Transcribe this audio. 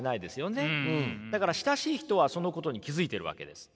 だから親しい人はそのことに気付いてるわけです。